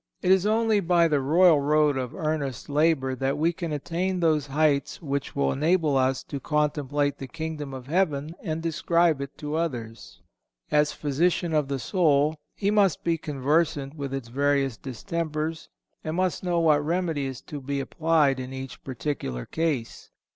It is only by the royal road of earnest labor that we can attain those heights which will enable us to contemplate the Kingdom of heaven and describe it to others. As physician of the soul, he must be conversant with its various distempers and must know what remedy is to be applied in each particular case.